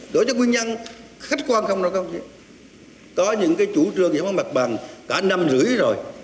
đổi cho nguyên nhân khách quan không đâu các ông chỉ có những cái chủ trương thì có mặt bàn cả năm rưỡi rồi